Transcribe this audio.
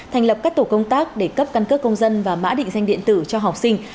thành lập các tổ công tác để cấp căn cước công dân và mã định danh điện tử cho học sinh